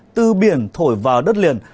từ biển thổi vào đất liền